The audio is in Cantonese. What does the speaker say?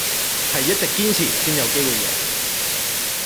係一直堅持先有機會贏